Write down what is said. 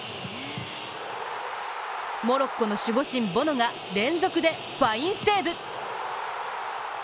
モロッコの守護神・ボノが連続でファインセーブ。